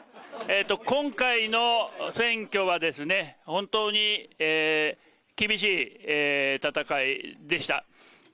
今回の選挙は本当に厳しい戦いでした。